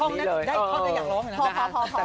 ได้ท่อนั้นอยากร้อง